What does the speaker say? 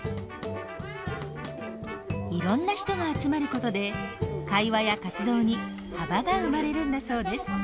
いろんな人が集まることで会話や活動に幅が生まれるんだそうです。